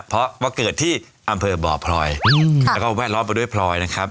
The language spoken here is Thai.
เพราะว่าเกิดที่อำเภอบ่อพลอยแล้วก็แวดล้อมไปด้วยพลอยนะครับ